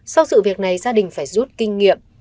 sau sự việc này gia đình phải rút kinh nghiệm